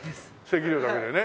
席料だけでね。